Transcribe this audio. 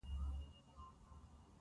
اوس به يې خوږې وږمې رسېږي.